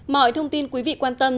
mọi thông tin quý vị quan tâm